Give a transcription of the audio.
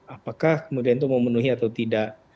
apakah kemudian itu memenuhi atau tidak